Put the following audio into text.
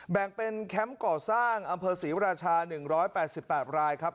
แบ่งเป็นแคมป์ก่อสร้างอำเภอศรีราชา๑๘๘รายครับ